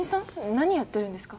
何やってるんですか？